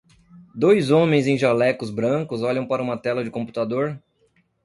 Dois homens em jalecos brancos olham para uma tela de computador